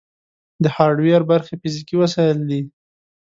د هارډویر برخې فزیکي وسایل دي.